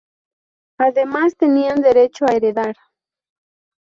Además tenían derecho a heredar.